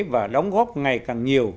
và đóng góp ngày càng nhiều